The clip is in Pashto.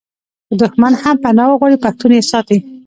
که دښمن هم پنا وغواړي پښتون یې ساتي.